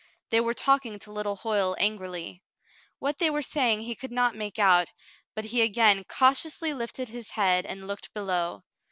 They were talking to little Hoyle angrily. What they were saying he could not make out, but he again cautiously lifted his head and looked below.